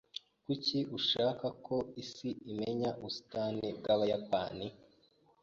Kuki ushaka ko isi imenya ubusitani bwabayapani?